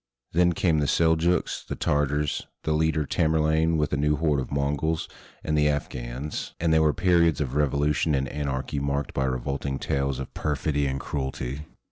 Then came the Seljooks, the Tartars, the leader Tamerlane with a new horde of Mongols, and the Afghans; and there were periods of revolution and anarchy marked by revolting tales of perfidy and cruelty.